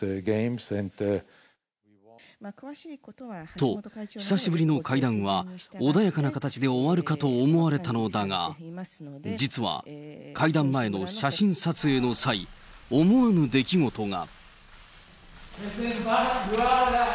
と、久しぶりの会談は穏やかな形で終わるかと思われたのだが、実は、会談前の写真撮影の際、思わぬ出来事が。